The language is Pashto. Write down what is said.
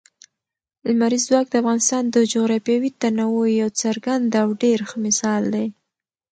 لمریز ځواک د افغانستان د جغرافیوي تنوع یو څرګند او ډېر ښه مثال دی.